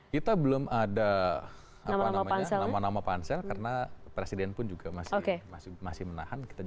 kita belum ada nama nama pansel karena presiden pun juga masih menahan